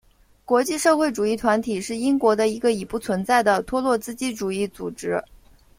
国际社会主义团体是英国的一个已不存在的托洛茨基主义组织。